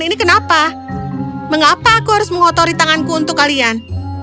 ini kenapa mengapa aku harus mengotori tanganku untuk kalian